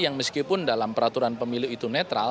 yang meskipun dalam peraturan pemilu itu netral